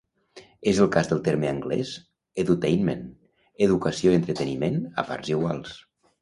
És el cas del terme anglès ‘edutainment’, educació i entreteniment a parts iguals.